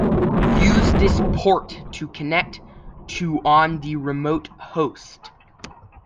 Use this port to connect to on the remote host.